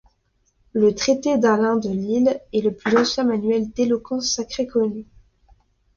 Le traité d’Alain de Lille est le plus ancien manuel d’éloquence sacrée connu.